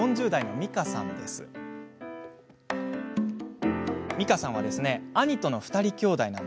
みかさんは兄との２人きょうだい。